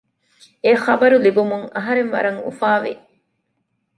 އެ ޚަބަރު ލިބުމުން އަހަރެން ވަރަށް އުފާވި